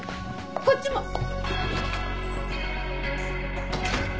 こっちも。